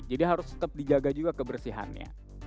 jadi harus tetap dijaga juga kebersihannya